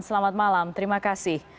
selamat malam terima kasih